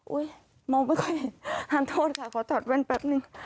อุ๊ยมองไม่ค่อยเห็นขอถอดแว่นแป๊บนึง